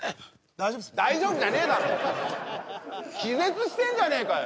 大丈夫っすね大丈夫じゃねえだろ気絶してんじゃねえかよ